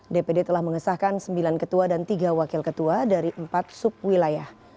dpd telah mengesahkan sembilan ketua dan tiga wakil ketua dari empat subwilayah